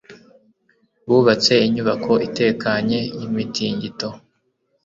Bubatse inyubako itekanye y’imitingito.